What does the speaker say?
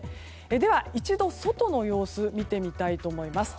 では一度、外の様子を見てみたいと思います。